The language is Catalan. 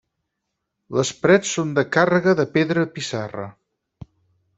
Les parets són de càrrega de pedra pissarra.